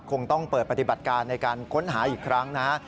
คงต้องเปิดปฏิบัติการในการค้นหาอีกครั้งนะฮะ